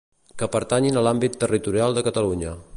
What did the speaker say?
Que pertanyin a l'àmbit territorial de Catalunya.